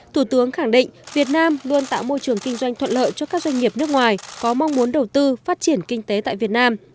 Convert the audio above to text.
thủ tướng khẳng định việt nam luôn tạo môi trường kinh doanh thuận lợi cho các doanh nghiệp nước ngoài có mong muốn đầu tư phát triển kinh tế tại việt nam